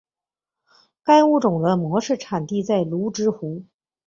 该物种的模式产地在芦之湖。